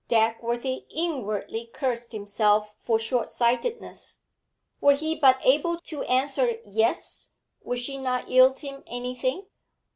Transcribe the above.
Dagworthy inwardly cursed himself for shortsightedness. Were he but able to answer 'Yes,' would she not yield him anything?